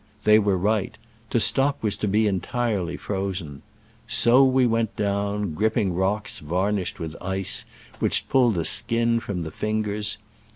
They were right: to stop was to be entirely frozen. So we went down, gripping rocks varnished with ice, which pulled the skin from the fingers.